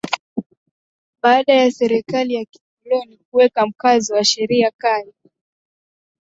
Baada ya serikali ya kikoloni kuweka mkazo na sheria kali